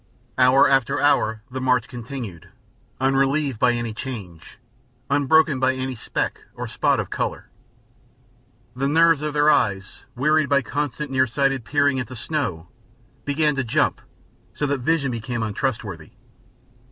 Hour after hour the march continued, unrelieved by any change, unbroken by any speck or spot of color. The nerves of their eyes, wearied by constant nearsighted peering at the snow, began to jump so that vision became untrustworthy.